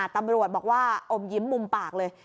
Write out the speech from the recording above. ตำรวจบอกว่าอมยิ้มมุมปากเลย